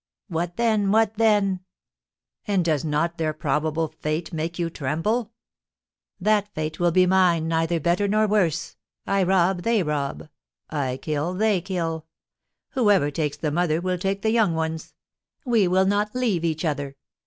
"What then? What then?" "And does not their probable fate make you tremble?" "That fate will be mine, neither better nor worse. I rob, they rob; I kill, they kill. Whoever takes the mother will take the young ones; we will not leave each other.